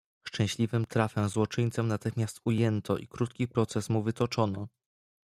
"Szczęśliwym trafem złoczyńcę natychmiast ujęto i krótki proces mu wytoczono."